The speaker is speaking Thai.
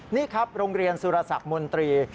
นี่ครับโรงเรียนสุรศักดิ์มนตรี